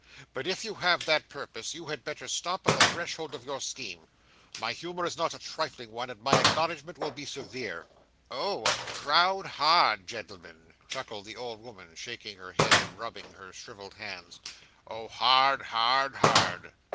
But if you have that purpose, you had better stop on the threshold of your scheme. My humour is not a trifling one, and my acknowledgment will be severe." "Oh a proud, hard gentleman!" chuckled the old woman, shaking her head, and rubbing her shrivelled hands, "oh hard, hard, hard!